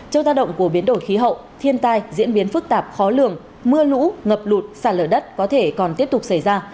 trước tác động của biến đổi khí hậu thiên tai diễn biến phức tạp khó lường mưa lũ ngập lụt sạt lở đất có thể còn tiếp tục xảy ra